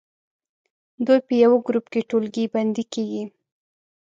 دوی په یوه ګروپ کې ټولګی بندي کیږي.